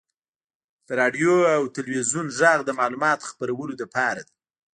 • د راډیو او تلویزیون ږغ د معلوماتو خپرولو لپاره دی.